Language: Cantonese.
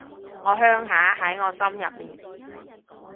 我鄉下喺我心入面